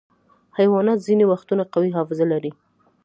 حیوانات ځینې وختونه قوي حافظه لري.